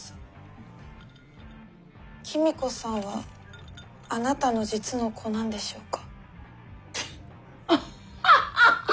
公子さんはあなたの実の子なんでしょうか？